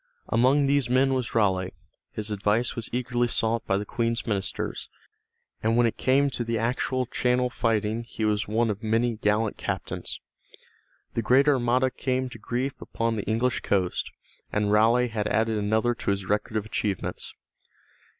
Among these men was Raleigh; his advice was eagerly sought by the Queen's ministers, and when it came to the actual Channel fighting he made one of many gallant captains. The great Armada came to grief upon the English coast, and Raleigh had added another to his record of achievements.